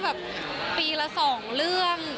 แบบปีละ๒เรื่อง